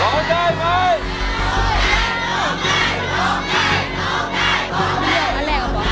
หลุมใจหลุมใจหลุมใจหลุมใจ